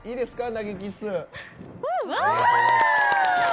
投げキッス。